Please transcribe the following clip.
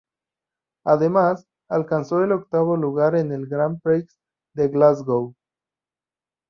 Además, alcanzó el octavo lugar en el Grand Prix de Glasgow.